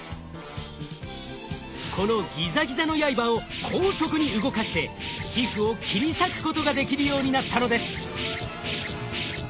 このギザギザのやいばを高速に動かして皮膚を切り裂くことができるようになったのです。